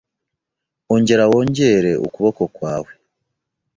Ongera wongere ukuboko kwawe